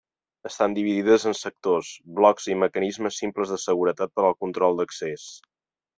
Estan dividides en sectors, blocs i mecanismes simples de seguretat per al control d'accés.